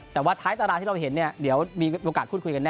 แต่ว่าท้ายตารางที่เราเห็นเนี่ยเดี๋ยวมีโอกาสพูดคุยกันแน